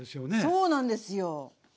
そうなんですよ。ね！